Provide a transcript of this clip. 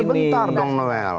sebentar dong noel